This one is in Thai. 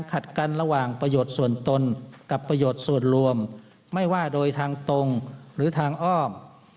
ขัดกันระหว่างประโยชน์ส่วนตนกับประโยชน์ส่วนรวมไม่ว่าโดยทางตรงหรือทางอ้อม